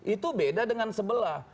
itu beda dengan sebelah